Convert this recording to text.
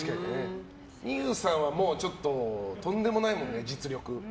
望結さんはとんでもないもんね、実力。